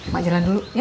mak jalan dulu ya